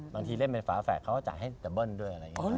บางทีเล่นเป็นฝาแฝดเขาก็จ่ายให้ดับเบิ้ลด้วย